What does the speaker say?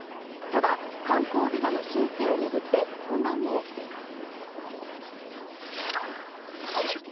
ただ、観光ビザの申請を巡って混乱も起きています。